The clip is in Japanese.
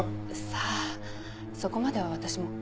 さあそこまでは私も。